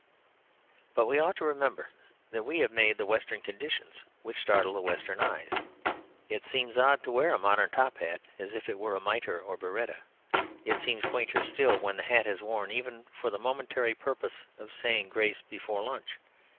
But we ought to remember that we have made the Western conditions which startle the Western eyes. It seems odd to wear a modern top hat as if it were a mitre or a biretta; it seems quainter still when the hat is worn even for the momentary purpose of saying grace before lunch.